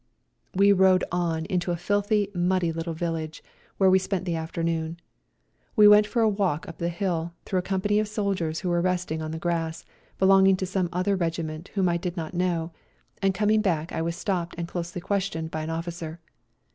We rode on into a filthy, muddy little village, where we spent the afternoon. I went for a walk up the hill, through a company of soldiers who were resting on the grass, belonging to some other regiment whom I did not know, and coming back I was stopped and closely questioned by an ofiicer.